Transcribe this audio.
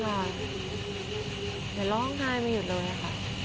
ครับเดี๋ยวร้องไห้ไม่หยุดเลยนะครับ